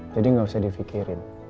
jadi gak usah difikirin